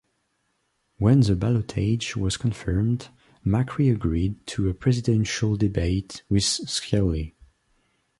When the ballotage was confirmed, Macri agreed to a presidential debate with Scioli.